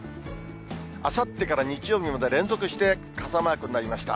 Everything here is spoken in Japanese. あさってから日曜日まで、連続して傘マークになりました。